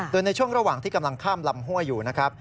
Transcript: โดยในช่วงระหว่างที่กำลังข้ามลำห้วยอยู่นะครับ